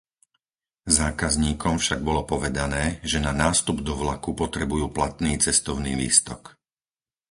Zákazníkom však bolo povedané, že na nástup do vlaku potrebujú platný cestovný lístok.